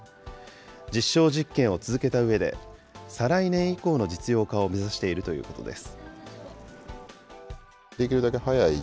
実証実験を続けたうえで、再来年以降の実用化を目指しているということです。